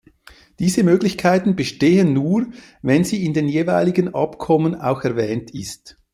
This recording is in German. Diese Möglichkeiten bestehen nur, wenn sie in den jeweiligen Abkommen auch erwähnt ist.